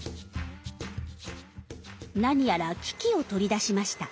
何やら機器を取り出しました。